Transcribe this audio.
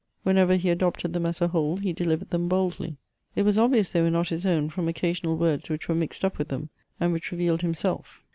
Whenever he adopted them as a whole he delivered them boldly ; it was obvious they were not his own from occasional words which were mixed up with them, and which revealed himself.